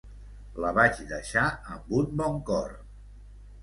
La vaig deixar amb un bon cor.